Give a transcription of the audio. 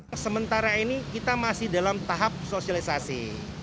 di antara ini kita masih dalam tahap sosialisasi